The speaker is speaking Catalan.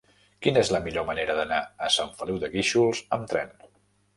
Quina és la millor manera d'anar a Sant Feliu de Guíxols amb tren?